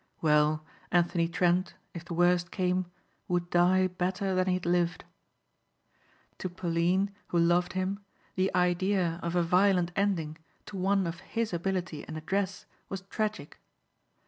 Well, Anthony Trent if the worst came would die better than he had lived. To Pauline, who loved him, the idea of a violent ending to one of his ability and address was tragic.